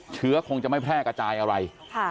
เชื้อคงจะไม่แพร่กระจายอะไร